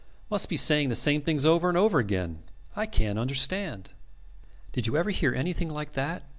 Must be saying the same things over and over again. I can't understand.' "Did you ever hear anything like that?